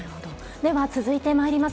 では続いてまいります。